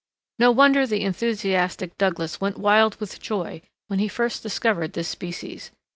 No wonder the enthusiastic Douglas went wild with joy when he first discovered this species.